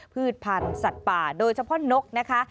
พืชพันธุ์สัตว์ป่าโดยเฉพาะนกนะคะ